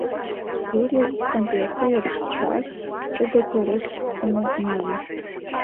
Бериа усҟантәи ахылаԥшцәа ахьӡ ҷыдақәа рыхьӡҵаны иман.